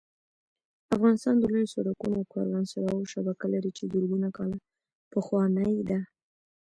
افغانستان د لویو سړکونو او کاروانسراوو شبکه لري چې زرګونه کاله پخوانۍ ده